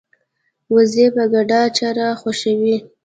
وزې په ګډه چرا خوښوي